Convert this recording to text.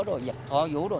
mùi chất thải gia súc